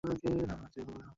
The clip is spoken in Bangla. আপনি জাতীয় সংগীত পারেন?